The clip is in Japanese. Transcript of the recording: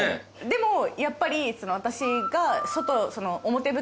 でもやっぱり私が。